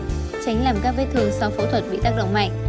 tránh làm các vết thương sau phẫu thuật bị tác động mạnh